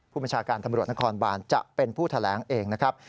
ผู้บัญชาการตำรวจนครบานจะเป็นผู้แถลงเองนะครับ